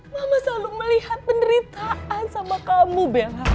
mama selalu melihat penderitaan sama kamu bela